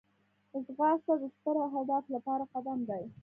ځغاسته د ستر هدف لپاره قدم دی